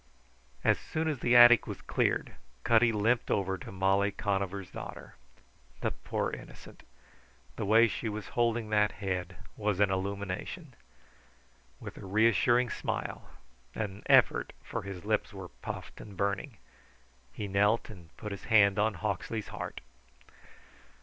As soon as the attic was cleared Cutty limped over to Molly Conover's daughter. The poor innocent! The way she was holding that head was an illumination. With a reassuring smile an effort, for his lips were puffed and burning he knelt and put his hand on Hawksley's heart.